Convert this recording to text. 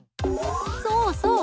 そうそう。